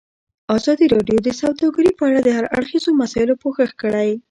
ازادي راډیو د سوداګري په اړه د هر اړخیزو مسایلو پوښښ کړی.